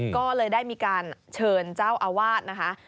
ก็เลยได้มีการเชิญเจ้าอาวาสนะคะ